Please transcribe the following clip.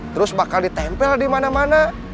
terus bakal ditempel di mana mana